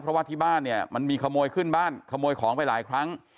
เพราะว่าที่บ้านเนี่ยมันมีขโมยขึ้นบ้านขโมยของไปหลายครั้ง